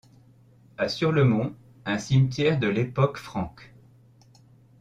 À Sur-le-Mont, un cimetière de l'époque franque.